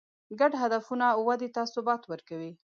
ګډ هدفونه واده ته ثبات ورکوي.